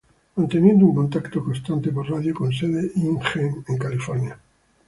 Manteniendo un contacto constante por radio con sede InGen en California.